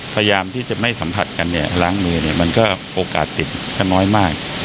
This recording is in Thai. พยายามที่จะไม่สัมผัสกันเนี่ยล้างมือเนี่ยมันก็โอกาสติดก็น้อยมาก